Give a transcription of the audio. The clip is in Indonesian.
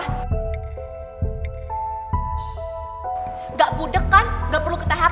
nggak budek kan nggak perlu kita ht kan